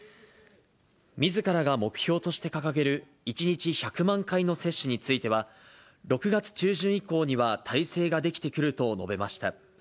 みずからが目標として掲げる、１日１００万回の接種については、６月中旬以降には体制が出来てくると述べました。